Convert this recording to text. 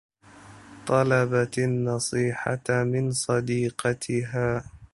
طلبت النّصيحة من صديقتها.